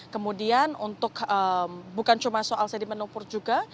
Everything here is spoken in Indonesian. kemudian untuk bukan cuma soal sedimen lumpur juga